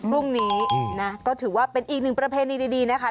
พรุ่งนี้นะก็ถือว่าเป็นอีกหนึ่งประเพณีดีนะคะ